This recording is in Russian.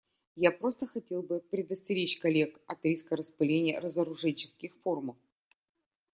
Я просто хотел бы предостеречь коллег от риска распыления разоружененческих форумов.